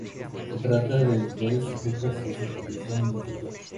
Se trata de entidades sujetas a supervisión administrativa.